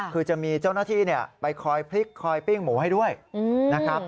คือจะมีเจ้าหน้าที่ไปคอยพลิกคอยปิ้งหมูให้ด้วยนะครับ